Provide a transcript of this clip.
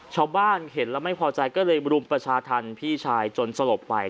ชาวบ้านเห็นแล้วไม่พอใจก็เลยรุมประชาธรรมพี่ชายจนสลบไป